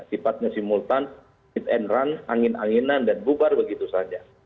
sifatnya simultan hit and run angin anginan dan bubar begitu saja